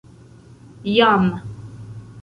Jam.